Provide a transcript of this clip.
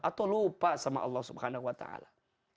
atau lupa sama allah subhanahu wa ta'ala